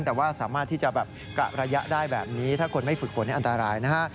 แต่ว่าสามารถที่จะแบบกะระยะได้แบบนี้ถ้าคนไม่ฝึกฝนอันตรายนะฮะ